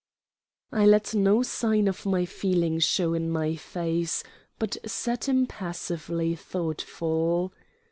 I let no sign of my feeling show in my face, but sat impassively thoughtful.